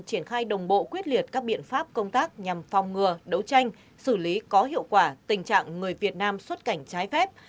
triển khai đồng bộ quyết liệt các biện pháp công tác nhằm phòng ngừa đấu tranh xử lý có hiệu quả tình trạng người việt nam xuất cảnh trái phép